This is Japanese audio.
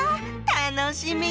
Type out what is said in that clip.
楽しみ。